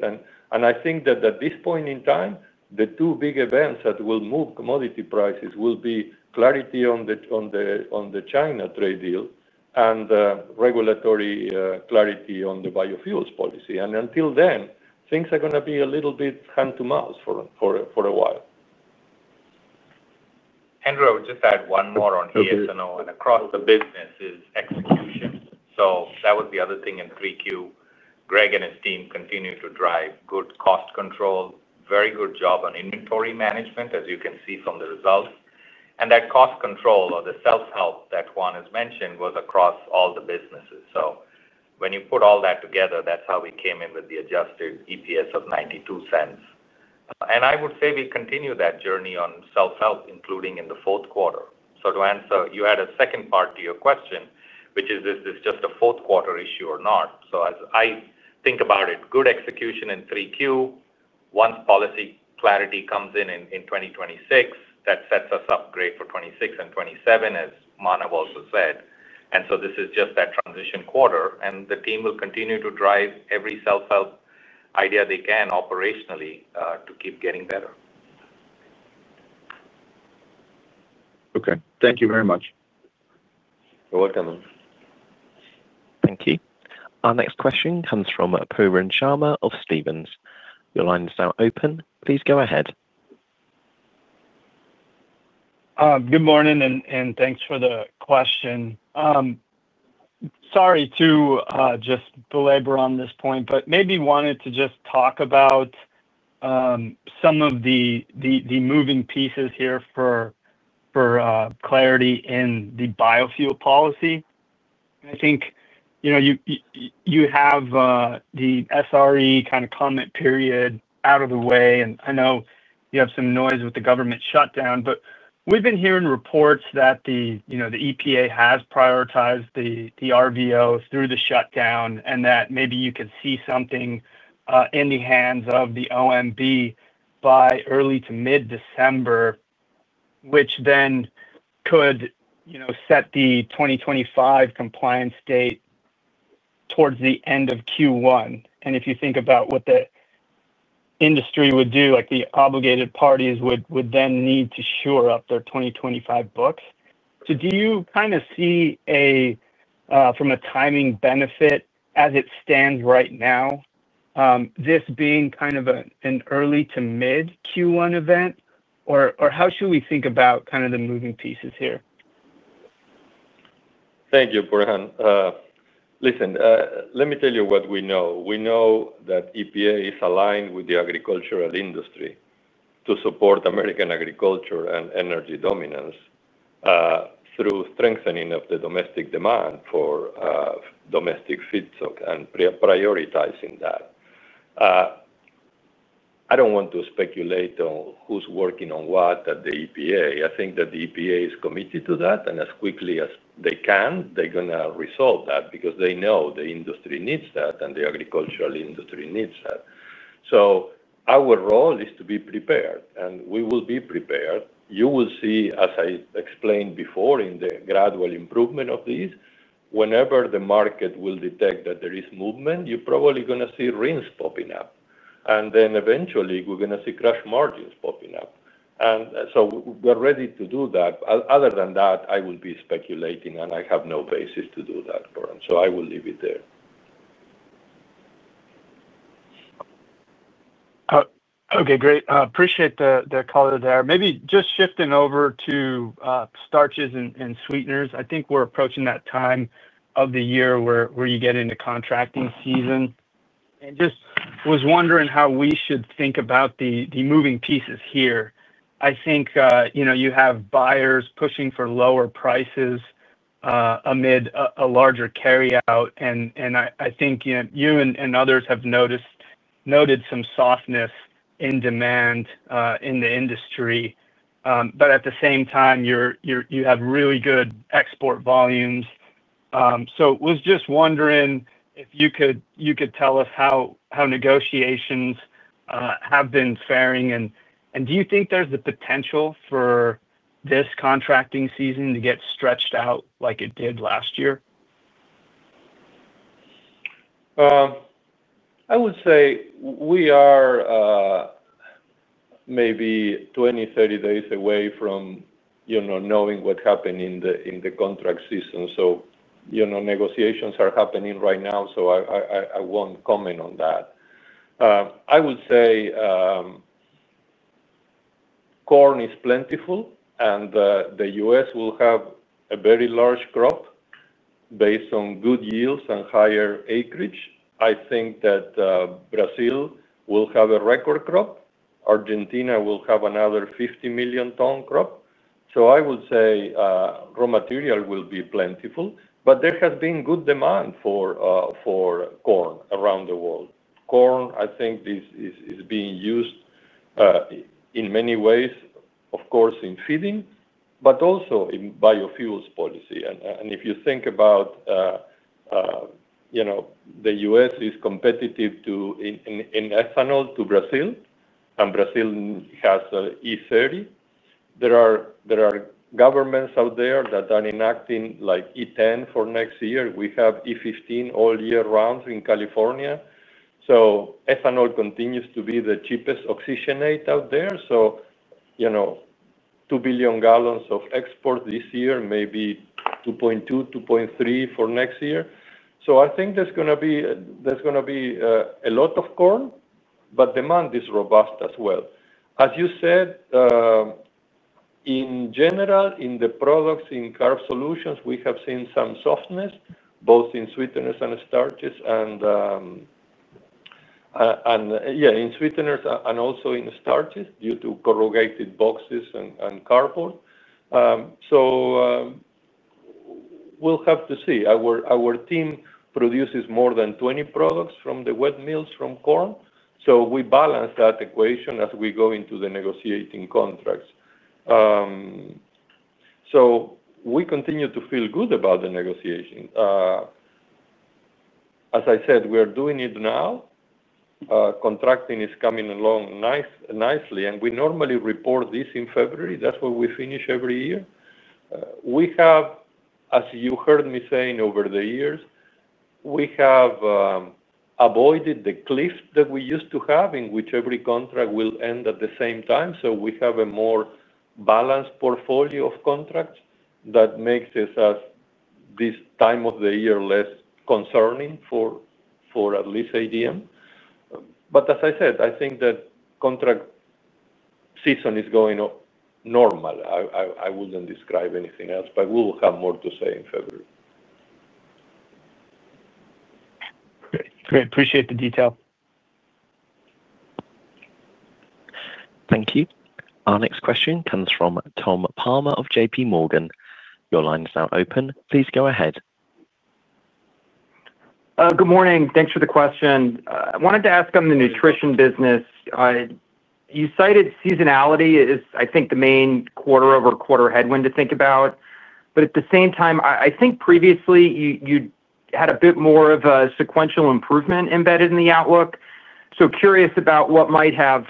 I think that at this point in time, the two big events that will move commodity prices will be clarity on the China trade deal and regulatory clarity on the biofuels policy. Until then, things are going to be a little bit hand-to-mouth for a while. Andrew, I would just add one more on AS&O and across the business is execution. That was the other thing in 3Q. Greg and his team continue to drive good cost control, very good job on inventory management, as you can see from the results. That cost control or the self-help that Juan has mentioned was across all the businesses. When you put all that together, that's how we came in with the adjusted EPS of $0.92. I would say we continue that journey on self-help, including in the fourth quarter. To answer, you had a second part to your question, which is, is this just a fourth-quarter issue or not? As I think about it, good execution in 3Q, once policy clarity comes in in 2026, that sets us up great for 2026 and 2027, as Manav also said. This is just that transition quarter. The team will continue to drive every self-help idea they can operationally to keep getting better. Okay. Thank you very much. You're welcome. Thank you. Our next question comes from Pooran Sharma of Stephens. Your line is now open. Please go ahead. Good morning, and thanks for the question. Sorry to just belabor on this point, but maybe wanted to just talk about some of the moving pieces here for clarity in the biofuel policy. I think you have the SRE kind of comment period out of the way. I know you have some noise with the government shutdown, but we've been hearing reports that the EPA has prioritized the RVO through the shutdown and that maybe you could see something in the hands of the OMB by early to mid-December. Which then could set the 2025 compliance date towards the end of Q1. If you think about what the industry would do, the obligated parties would then need to shore up their 2025 books. Do you kind of see from a timing benefit as it stands right now this being kind of an early to mid-Q1 event? Or how should we think about kind of the moving pieces here? Thank you, Pooran. Listen, let me tell you what we know. We know that EPA is aligned with the agricultural industry to support American agriculture and energy dominance through strengthening of the domestic demand for domestic feedstock and prioritizing that. I don't want to speculate on who's working on what at the EPA. I think that the EPA is committed to that. And as quickly as they can, they're going to resolve that because they know the industry needs that and the agricultural industry needs that. So our role is to be prepared, and we will be prepared. You will see, as I explained before, in the gradual improvement of these, whenever the market will detect that there is movement, you're probably going to see RINs popping up. And then eventually, we're going to see crush margins popping up. And so we're ready to do that. Other than that, I would be speculating, and I have no basis to do that, Pooran. So I will leave it there. Okay. Great. Appreciate the call out there. Maybe just shifting over to Starches and Sweeteners. I think we're approaching that time of the year where you get into contracting season. And just was wondering how we should think about the moving pieces here. I think you have buyers pushing for lower prices. Amid a larger carryout. And I think you and others have noticed. Some softness in demand in the industry. But at the same time, you have really good export volumes. So it was just wondering if you could tell us how negotiations. Have been faring. And do you think there's the potential for. This contracting season to get stretched out like it did last year? I would say we are. Maybe 20, 30 days away from. Knowing what happened in the contract season. So. Negotiations are happening right now, so I won't comment on that. I would say. Corn is plentiful, and the U.S. will have a very large crop. Based on good yields and higher acreage. I think that. Brazil will have a record crop. Argentina will have another 50-million-ton crop. So I would say. Raw material will be plentiful. But there has been good demand for. Corn around the world. Corn, I think, is being used. In many ways, of course, in feeding, but also in biofuels policy. And if you think about. The U.S. is competitive. In ethanol to Brazil, and Brazil has E30. There are. Governments out there that are enacting E10 for next year. We have E15 all year round in California. So ethanol continues to be the cheapest oxygenate out there. So. 2 billion gal of export this year, maybe 2.2, 2.3 for next year. So I think there's going to be. A lot of corn, but demand is robust as well. As you said. In general, in the products, in Carbohydrate Solutions, we have seen some softness, both in Sweeteners and Starches. And. Yeah, in sweeteners and also in starches due to corrugated boxes and cardboard. So. We'll have to see. Our team produces more than 20 products from the wet mills from corn. So we balance that equation as we go into the negotiating contracts. So we continue to feel good about the negotiation. As I said, we are doing it now. Contracting is coming along nicely. And we normally report this in February. That's what we finish every year. As you heard me saying over the years, we have avoided the cliff that we used to have in which every contract will end at the same time. So we have a more balanced portfolio of contracts that makes us this time of the year less concerning for at least ADM. But as I said, I think that contract season is going normal. I wouldn't describe anything else, but we will have more to say in February. Great. Appreciate the detail. Thank you. Our next question comes from Tom Palmer of JPMorgan. Your line is now open. Please go ahead. Good morning. Thanks for the question. I wanted to ask on the Nutrition business. You cited seasonality as, I think, the main quarter-over-quarter headwind to think about. But at the same time, I think previously you had a bit more of a sequential improvement embedded in the outlook. So curious about what might have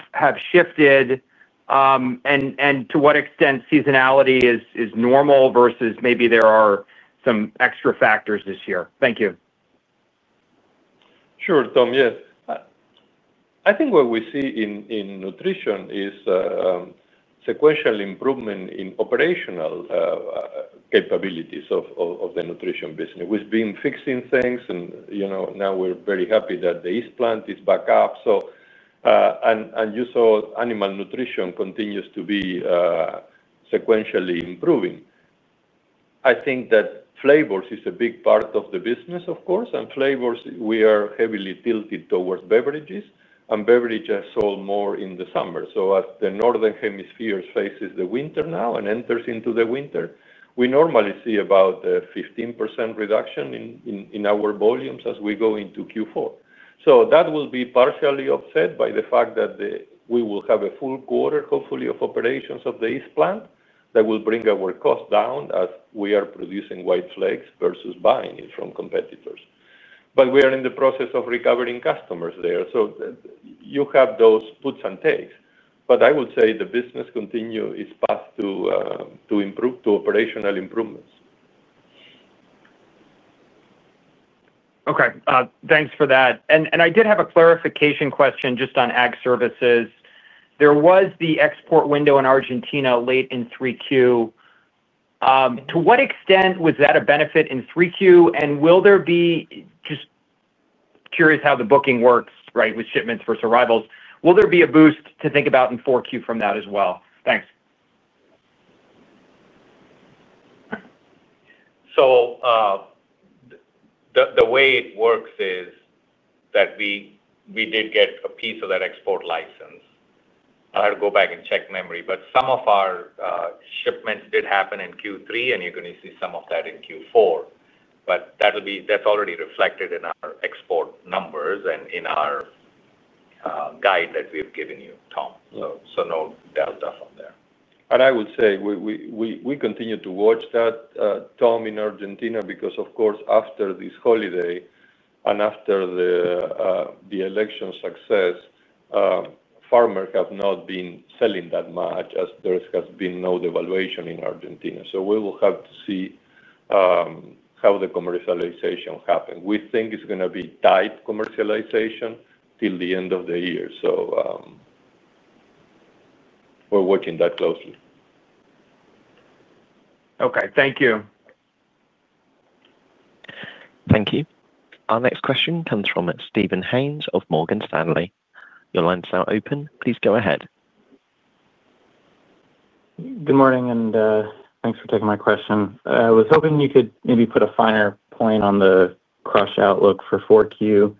shifted. And to what extent seasonality is normal versus maybe there are some extra factors this year. Thank you. Sure, Tom. Yes. I think what we see in Nutrition is sequential improvement in operational capabilities of the Nutrition business. We've been fixing things, and now we're very happy that the East Plant is back up. And you saw Animal Nutrition continues to be sequentially improving. I think that flavors is a big part of the business, of course. And flavors, we are heavily tilted towards beverages. And beverages sold more in the summer. So as the northern hemisphere faces the winter now and enters into the winter, we normally see about a 15% reduction in our volumes as we go into Q4. So that will be partially upset by the fact that we will have a full quarter, hopefully, of operations of the East Plant that will bring our cost down as we are producing white flakes versus buying it from competitors. But we are in the process of recovering customers there. So you have those puts and takes. But I would say the business continues its path to improve, to operational improvements. Okay. Thanks for that. And I did have a clarification question just on Ag Services. There was the export window in Argentina late in 3Q. To what extent was that a benefit in 3Q? And will there be just curious how the booking works, right, with shipments versus arrivals. Will there be a boost to think about in 4Q from that as well? Thanks. So the way it works is that we did get a piece of that export license. I had to go back and check memory. But some of our shipments did happen in Q3, and you're going to see some of that in Q4. But that's already reflected in our export numbers and in our guide that we have given you, Tom. So no delta from there. And I would say. We continue to watch that, Tom, in Argentina because, of course, after this holiday and after the election success, farmers have not been selling that much as there has been no devaluation in Argentina. So we will have to see how the commercialization happens. We think it's going to be tight commercialization till the end of the year. So we're watching that closely. Okay. Thank you. Thank you. Our next question comes from Steven Haynes of Morgan Stanley. Your line is now open. Please go ahead. Good morning, and thanks for taking my question. I was hoping you could maybe put a finer point on the crush outlook for 4Q.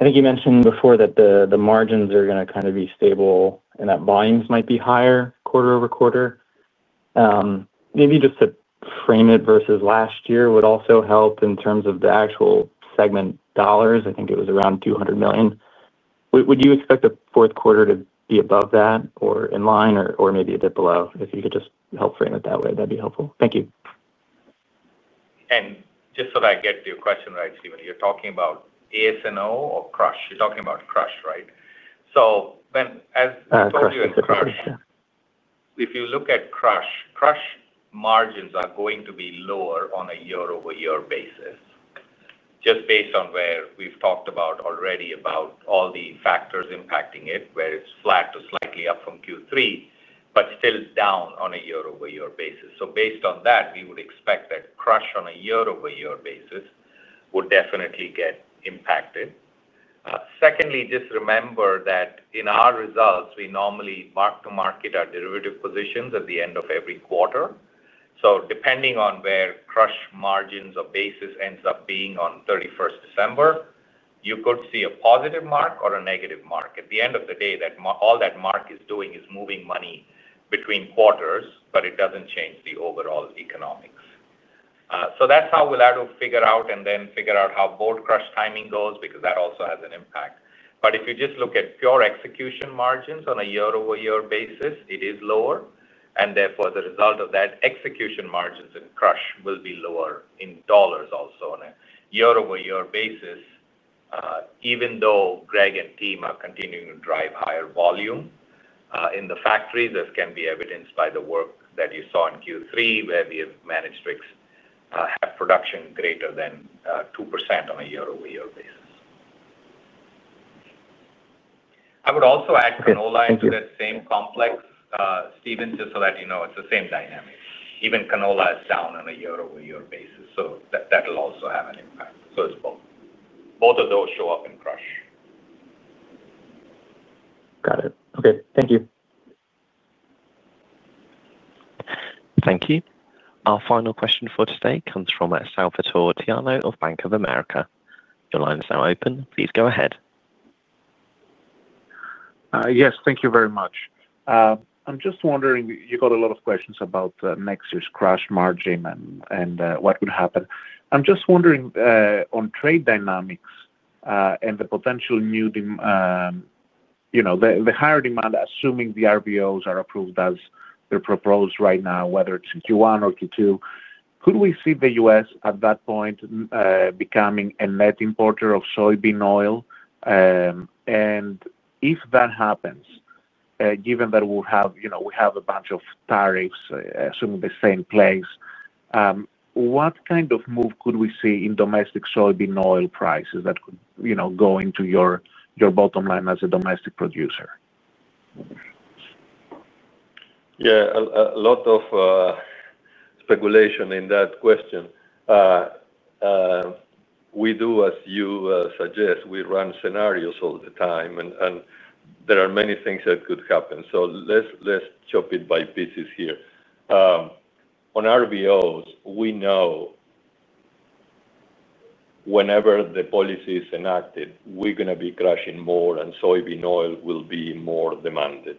I think you mentioned before that the margins are going to kind of be stable and that volumes might be higher quarter over quarter. Maybe just to frame it versus last year would also help in terms of the actual segment dollars. I think it was around $200 million. Would you expect the fourth quarter to be above that or in line or maybe a bit below? If you could just help frame it that way, that'd be helpful. Thank you. And just so that I get your question right, Steven, you're talking about AS&O or crush? You're talking about crush, right? So as I told you in crush, if you look at crush, crush margins are going to be lower on a year-over-year basis. Just based on where we've talked about already about all the factors impacting it, where it's flat to slightly up from Q3, but still down on a year-over-year basis. So based on that, we would expect that crush on a year-over-year basis would definitely get impacted. Secondly, just remember that in our results, we normally mark to market our derivative positions at the end of every quarter. So depending on where crush margins or basis ends up being on 31st December, you could see a positive mark or a negative mark. At the end of the day, all that mark is doing is moving money between quarters, but it doesn't change the overall economics. So that's how we'll have to figure out and then figure out how the crush timing goes because that also has an impact. But if you just look at pure execution margins on a year-over-year basis, it is lower. And therefore, as a result of that, execution margins in crush will be lower in dollars also on a year-over-year basis. Even though Greg and team are continuing to drive higher volume in the factories, as can be evidenced by the work that you saw in Q3, where we have managed to have production greater than 2% on a year-over-year basis. I would also add Canola into that same complex, Steven, just so that you know it's the same dynamic. Even Canola is down on a year-over-year basis. So that'll also have an impact. So both of those show up in crush. Got it. Okay. Thank you. Thank you. Our final question for today comes from Salvator Tiano of Bank of America. Your line is now open. Please go ahead. Yes. Thank you very much. I'm just wondering, you got a lot of questions about next year's crush margin and what would happen. I'm just wondering on trade dynamics and the potential new. The higher demand, assuming the RVOs are approved as they're proposed right now, whether it's in Q1 or Q2, could we see the U.S. at that point. Becoming a net importer of soybean oil? And if that happens. Given that we have a bunch of tariffs assuming the same place, what kind of move could we see in domestic soybean oil prices that could go into your bottom line as a domestic producer? Yeah. A lot of. Speculation in that question. We do, as you suggest, we run scenarios all the time, and there are many things that could happen. So let's chop it by pieces here. On RVOs, we know. Whenever the policy is enacted, we're going to be crushing more, and soybean oil will be more demanded.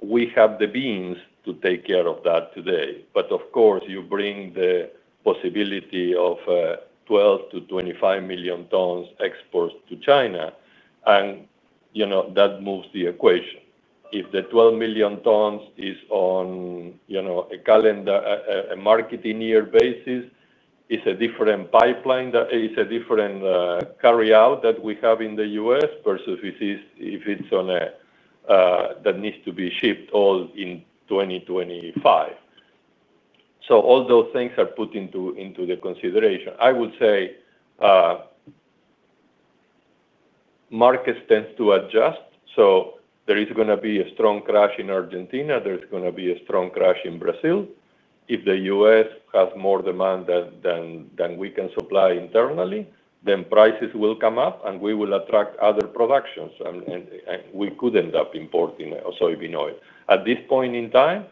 We have the beans to take care of that today. But of course, you bring the possibility of 12 million-25 million tons exports to China, and. That moves the equation. If the 12 million tons is on. A marketing year basis, it's a different pipeline that is a different. Carryout that we have in the U.S. versus if it's on a. That needs to be shipped all in 2025. So all those things are put into consideration. I would say markets tend to adjust. So there is going to be a strong crush in Argentina. There's going to be a strong crush in Brazil. If the U.S. has more demand than we can supply internally, then prices will come up, and we will attract other productions. And we could end up importing soybean oil. At this point in time.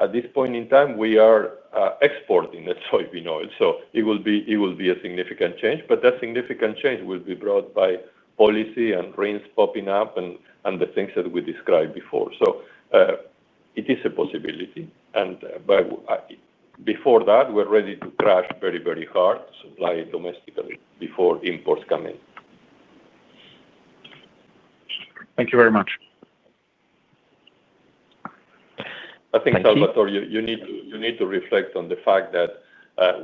At this point in time, we are exporting the soybean oil. So it will be a significant change. But that significant change will be brought by policy and RINs popping up and the things that we described before. So. It is a possibility. But. Before that, we're ready to crush very, very hard, supply domestically before imports come in. Thank you very much. I think, Salvator, you need to reflect on the fact that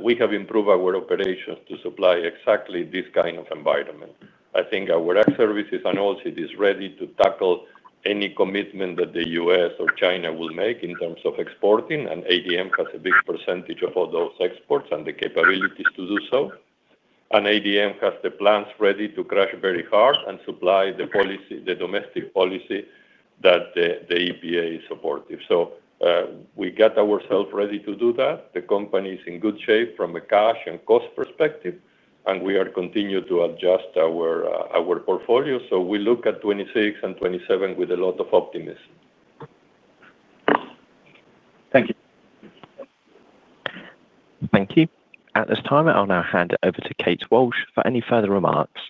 we have improved our operations to supply exactly this kind of environment. I think our Ag Services and Oilseeds is ready to tackle any commitment that the U.S. or China will make in terms of exporting. And ADM has a big percentage of all those exports and the capabilities to do so. And ADM has the plants ready to crush very hard and supply the domestic policy that the EPA is supportive. So we got ourselves ready to do that. The company is in good shape from a cash and cost perspective. And we are continuing to adjust our portfolio. So we look at 2026 and 2027 with a lot of optimism. Thank you. Thank you. At this time, I'll now hand it over to Kate Walsh for any further remarks.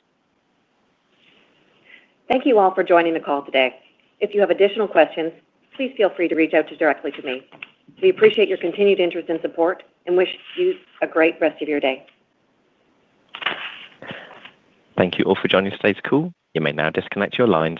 Thank you all for joining the call today. If you have additional questions, please feel free to reach out directly to me. We appreciate your continued interest and support and wish you a great rest of your day. Thank you all for joining today's call. You may now disconnect your lines.